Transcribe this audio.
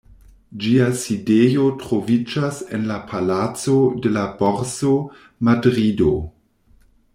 Ĝia sidejo troviĝas en la Palaco de la Borso, Madrido.